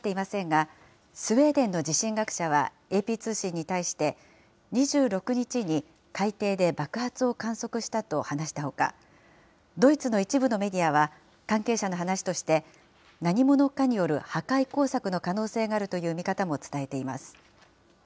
ガス漏れの原因は分かっていませんが、スウェーデンの地震学者はＡＰ通信に対して、２６日に海底で爆発を観測したと話したほか、ドイツの一部のメディアは、関係者の話として、何者かによる破壊工作の可能性があるという見方も伝えています。